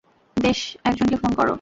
বেশ, একজনকে ফোন করো।